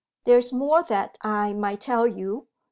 There is more that I might tell you.